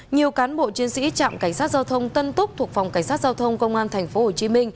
nhiều cán bộ chiến sĩ trạm cảnh sát giao thông tân túc thuộc phòng cảnh sát giao thông công an tp hcm